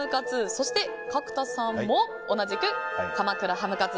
そして角田さんも同じく鎌倉ハムカツ。